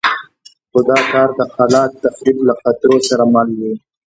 خو دا کار د خلاق تخریب له خطرونو سره مل وو.